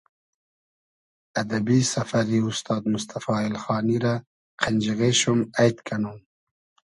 ادئبی سئفئری اوستاد موستئفا اېلخانی رۂ قئنجیغې شوم اݷد کئنوم